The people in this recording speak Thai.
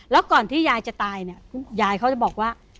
แล้วก่อนที่ยายจะตายเนี่ยยายเขาจะบอกว่า